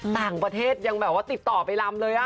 ต่างประเทศยังแบบว่าติดต่อไปลำเลย